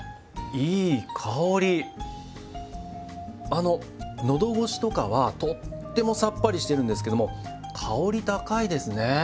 あの喉越しとかはとってもさっぱりしてるんですけども香り高いですね。